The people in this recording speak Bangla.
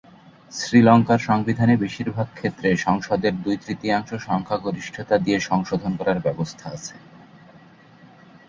শ্রীলঙ্কার সংবিধানে বেশির ভাগ ক্ষেত্রে সংসদের দুই-তৃতীয়াংশ সংখ্যাগরিষ্ঠতা দিয়ে সংশোধন করার ব্যবস্থা আছে।